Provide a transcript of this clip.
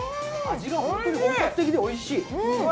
味が本当に本格的でおいしい。